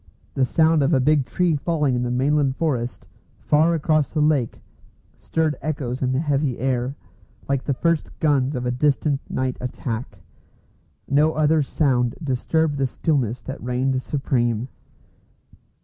The sound of a big tree falling in the mainland forest, far across the lake, stirred echoes in the heavy air, like the first guns of a distant night attack. No other sound disturbed the stillness that reigned supreme.